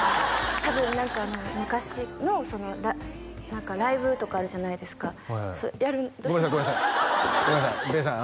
多分何か昔のライブとかあるじゃないですかごめんなさいごめんなさいごめんなさいべーさん